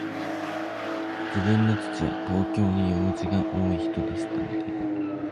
自分の父は、東京に用事の多いひとでしたので、